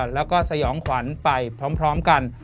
แล้วก็สยองขวัญไปพร้อมกัน